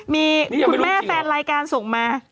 มีคุณแม่แฟนรายการส่งมา